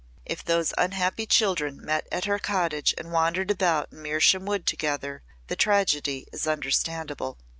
"If those unhappy children met at her cottage and wandered about in Mersham Wood together the tragedy is understandable."